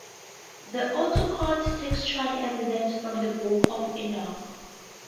The authors quote textual evidence from the book of Enoch.